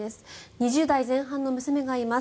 ２０代前半の娘がいます。